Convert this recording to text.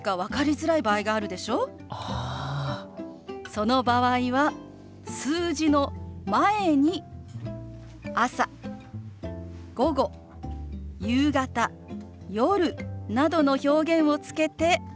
その場合は数字の前に「朝」「午後」「夕方」「夜」などの表現をつけて表すことが多いの。